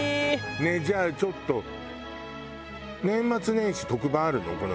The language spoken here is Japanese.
ねえじゃあちょっと年末年始特番あるの？